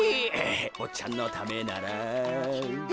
ぼっちゃんのためなら。